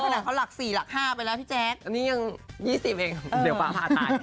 ขนาดเขาหลัก๔หลัก๕ไปแล้วพี่แจ๊คอันนี้ยัง๒๐เองเดี๋ยวฟ้าผ่าตาย